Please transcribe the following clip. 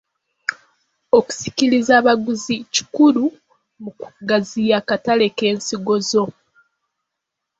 Okusikiriza abaguzi kikulu mu kugaziya akatale k’ensigo zo.